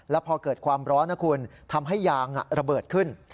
แล้วพอเกิดความร้อนนะคุณทำให้ยางระเบิดขึ้น